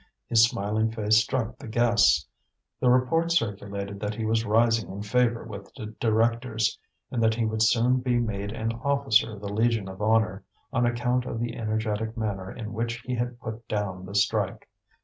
His smiling face struck the guests. The report circulated that he was rising in favour with the directors, and that he would soon be made an officer of the Legion of Honour, on account of the energetic manner in which he had put down the strike.